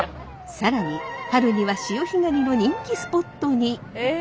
更に春には潮干狩りの人気スポットに！